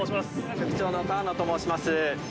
副長の河埜と申します。